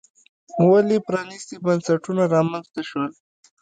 ولې پرانیستي بنسټونه رامنځته شول.